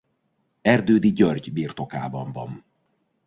Erdődy György birtokában van.